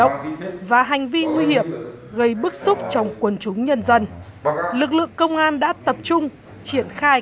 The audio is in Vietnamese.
chú chó cũng không đi